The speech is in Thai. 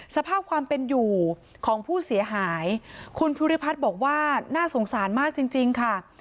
สภาพความเป็นอยู่ของผู้เสียหายคุณภูริพัฒน์บอกว่าน่าสงสารมากจริงจริงค่ะ